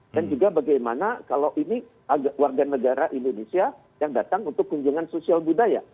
dan juga bagaimana kalau ini warga negara indonesia yang datang untuk kunjungan sosial budaya